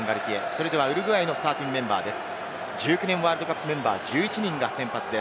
そしてウルグアイのスターティングメンバーです。